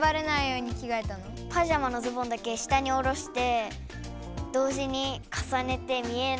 パジャマのズボンだけ下におろして同時にかさねて見えないように。